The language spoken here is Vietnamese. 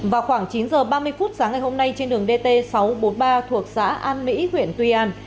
vào khoảng chín h ba mươi phút sáng ngày hôm nay trên đường dt sáu trăm bốn mươi ba thuộc xã an mỹ huyện tuy an